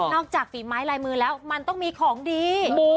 จากฝีไม้ลายมือแล้วมันต้องมีของดี